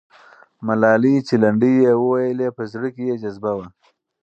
ملالۍ چې لنډۍ یې وویلې، په زړه کې یې جذبه وه.